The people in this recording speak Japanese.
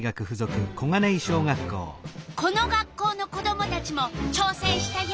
この学校の子どもたちもちょうせんしたよ。